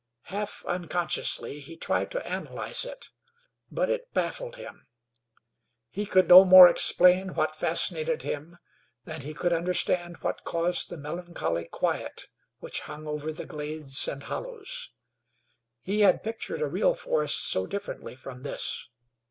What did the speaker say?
Half unconsciously he tried to analyze it, but it baffled him. He could no more explain what fascinated him than he could understand what caused the melancholy quiet which hung over the glades and hollows. He had pictured a real forest so differently from this.